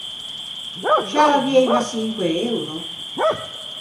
Scià l’avieiva çinque euro?